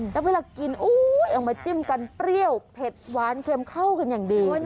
แล้วเวลากินเอามาจิ้มกันเปรี้ยวเผ็ดหวานเค็มเข้ากันอย่างดี